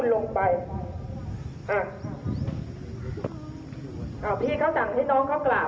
คุณครูกะว่าเรื่องที่จะสดก็คือขอคำารแล้วสด